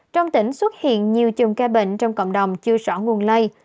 trong tỉnh xuất hiện nhiều chùm ca bệnh trong cộng đồng chưa rõ nguồn lây